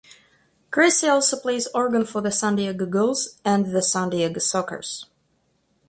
Cressey also plays organ for the San Diego Gulls and the San Diego Sockers.